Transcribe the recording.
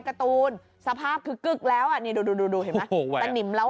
การ์ตูนสภาพคือกึ๊กแล้วอ่ะนี่ดูดูเห็นไหมตะนิมแล้ว